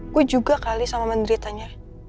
gue juga kali sama menderitanya